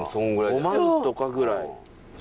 ５万とかぐらい。